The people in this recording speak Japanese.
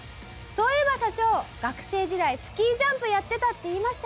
「そういえば社長学生時代スキージャンプやってたって言いましたよね？」